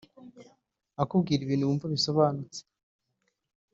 akubwira ibintu wumva bisobanutse